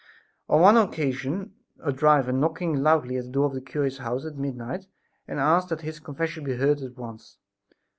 On one occasion a driver knocked loudly at the door of the cure's house at midnight and asked that his confession be heard at once.